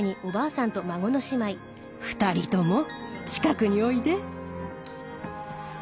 ２人とも近くにおいで。